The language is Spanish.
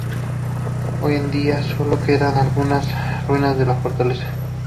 Hoy en día sólo quedan algunas ruinas de la fortaleza.